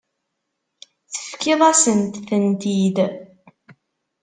Tefkiḍ-asent-tent-id.